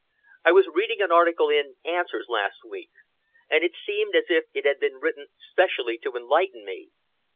I was reading an article in Answers last week, and it seemed as if it had been written specially to enlighten me.